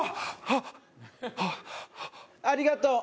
ははありがとう